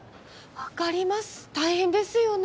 分かります大変ですよね。